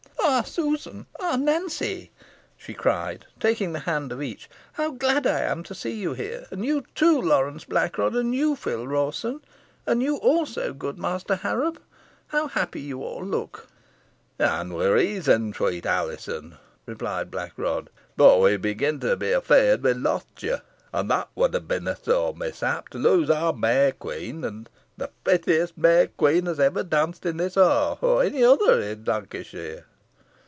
"Ah, Susan! ah, Nancy!" she cried taking the hand of each "how glad I am to see you here; and you too, Lawrence Blackrod and you, Phil Rawson and you, also, good Master Harrop. How happy you all look!" "An wi' good reason, sweet Alizon," replied Blackrod. "Boh we began to be afeerd we'd lost ye, an that wad ha' bin a sore mishap to lose our May Queen an th' prettiest May Queen os ever dawnced i' this ha', or i' onny other ha' i' Lonkyshiar."